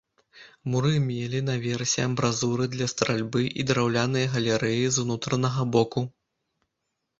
Муры мелі на версе амбразуры для стральбы і драўляныя галерэі з унутранага боку.